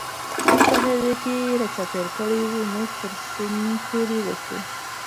خوپ په خپله غېږ کې را چاپېر کړی و، موږ پر سیند پورې وتو.